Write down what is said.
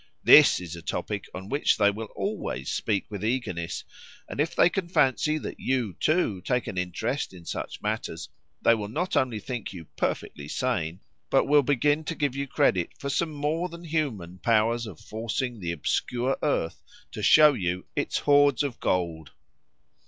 This is a topic on which they will always speak with eagerness, and if they can fancy that you, too, take an interest in such matters, they will not only think you perfectly sane, but will begin to give you credit for some more than human powers of forcing the obscure earth to show you its hoards of gold.